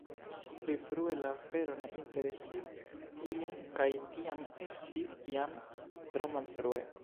Pli frue la afero ne interesis ilin kaj tiam estis jam tro malfrue.”